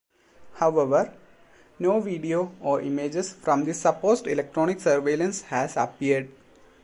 However, no video or images from this supposed electronic surveillance has appeared.